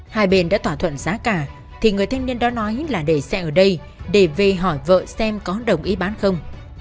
hai bên đã thỏa thuận giá cả thì người thanh niên đó nói là để xe ở đây để về hỏi vợ xem có đồng ý bán không